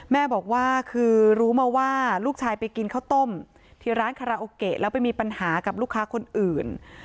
แม่บอกว่าคือรู้มาว่าลูกชายไปกินข้าวต้มที่ร้านคาราโอเกะแล้วไปมีปัญหากับลูกค้าคนอื่น